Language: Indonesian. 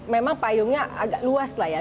memang payungnya agak luas lah ya